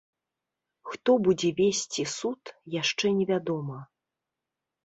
Хто будзе весці суд, яшчэ невядома.